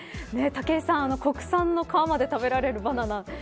武井さん、国産の皮まで食べられるバナナ